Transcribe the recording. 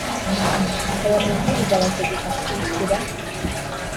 aya Mabwiriza abategeka kwishyura.